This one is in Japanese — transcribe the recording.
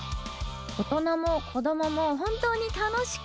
大人も子供も本当に楽しく